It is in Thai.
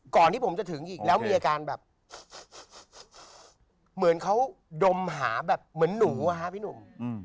ก่อนที่ผมจะถึงอีกแล้วมีอาการแบบเหมือนเขาดมหาแบบเหมือนหนูอะฮะพี่หนุ่ม